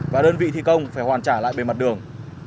và đơn vị thi công phải hoàn trả lại bề mặt đường